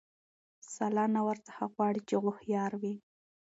سلا نه ورڅخه غواړي چي هوښیار وي